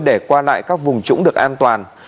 để qua lại các vùng trũng được an toàn